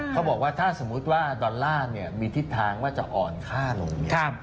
เขาบอกว่าถ้าสมมุติว่าดอลลาร์มีทิศทางว่าจะอ่อนค่าลง